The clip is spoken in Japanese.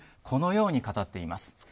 このように語っています。